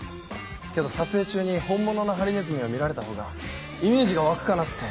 けど撮影中に本物のハリネズミを見られたほうがイメージが湧くかなって。